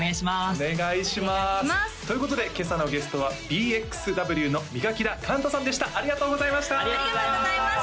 お願いしますということで今朝のゲストはＢＸＷの磨田寛大さんでしたありがとうございました！